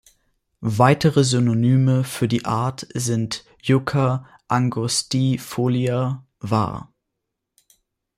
Weitere Synonyme für die Art sind "Yucca angustifolia" var.